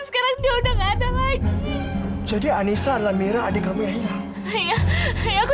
karena aku pindah tau